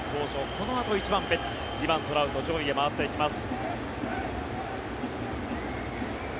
このあと１番、ベッツ２番、トラウト上位へ回っていきます。